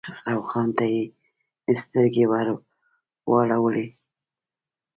خسرو خان ته يې سترګې ور واړولې.